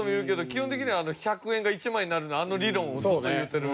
基本的には「１００円が１万円になる」のあの理論をずっと言ってる。